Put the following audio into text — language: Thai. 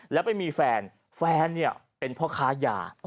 แล้วไปมีแฟนแฟนเนี่ยเป็นพ่อค้ายา